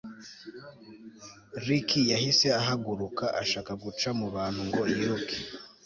Ricky yahise ahaguruka ashaka guca mu bantu ngo yiruke